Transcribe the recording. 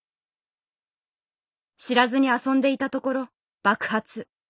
知らずに遊んでいたところ爆発。